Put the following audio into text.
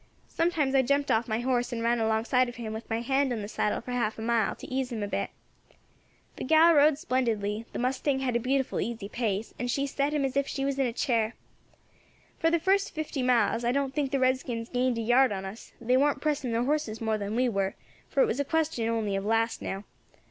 Sometimes I jumped off my horse and ran alongside of him with my hand on the saddle for half a mile, to ease him a bit. The gal rode splendidly; the mustang had a beautiful easy pace, and she set him as if she was in a chair. For the first fifty miles I don't think the redskins gained a yard on us; they warn't pressing their horses more than we were, for it was a question only of last now.